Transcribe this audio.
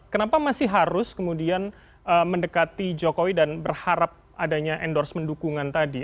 kenapa masih harus kemudian mendekati jokowi dan berharap adanya endorsement dukungan tadi